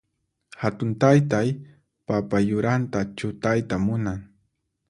Hatun taytay papa yuranta chutayta munan.